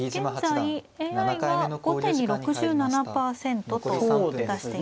現在ＡＩは後手に６７％と出していますね。